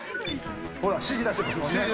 ほら指示出してますもんね。